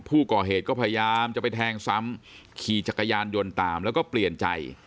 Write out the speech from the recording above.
ผู้ก่อเหตุก็พยายามจะไปแทงซ้ำขี่จักรยานยนต์ตามแล้วก็เปลี่ยนใจ